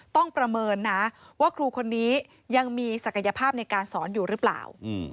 ประเมินนะว่าครูคนนี้ยังมีศักยภาพในการสอนอยู่หรือเปล่า